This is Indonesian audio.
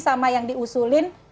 sama yang diusulin